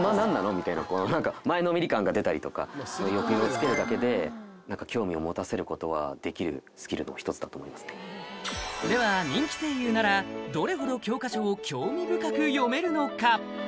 みたいなこうなんか抑揚をつけるだけでなんか興味を持たせることはできるスキルの一つだと思いますねでは人気声優ならどれほど教科書を興味深く読めるのか？